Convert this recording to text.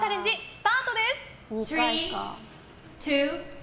スタートです。